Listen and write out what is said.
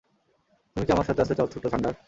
তুমি কি আমার সাথে আসতে চাও, ছোট্ট থান্ডার?